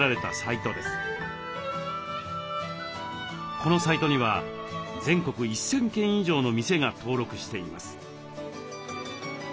このサイトには全国１，０００軒以上の店が登録しています。